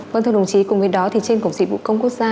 vâng thưa đồng chí cùng với đó thì trên cổng dịch vụ công quốc gia